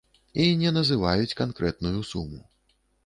І не называюць канкрэтную суму.